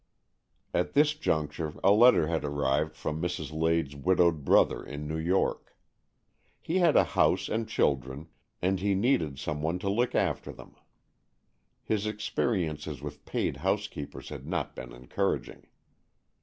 At this juncture a letter had arrived from Mrs. Lade's widowed brother in New York. He had a house and children, and he needed some one to look after them. His experi ences with paid housekeepers had not been encouraging.